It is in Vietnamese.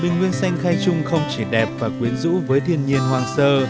bình nguyên xanh khai trung không chỉ đẹp và quyến rũ với thiên nhiên hoang sơ